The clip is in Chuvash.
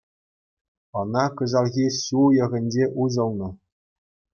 Ӑна кӑҫалхи ҫу уйӑхӗнче уҫӑлнӑ.